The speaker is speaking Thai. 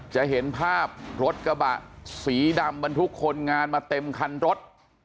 จะเห็นภาพรถกระบะสีดำบรรทุกคนงานมาเต็มคันรถ